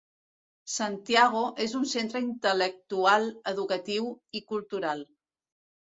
Santiago és un centre intel·lectual, educatiu i cultural.